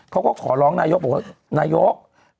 เขาก็ขอร้องนายกบอกว่านายก